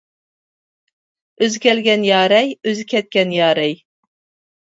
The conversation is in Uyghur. ئۆزى كەلگەن يارەي، ئۆزى كەتكەن يارەي.